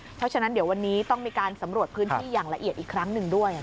เพราะฉะนั้นเดี๋ยววันนี้ต้องมีการสำรวจพื้นที่อย่างละเอียดอีกครั้งหนึ่งด้วย